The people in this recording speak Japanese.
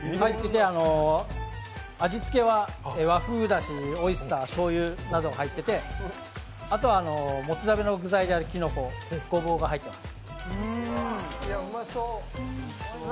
味付けは和風だし、オイスターしょうゆなどが入っていてあとはもつ鍋の具材であるキノコゴボウが入っています。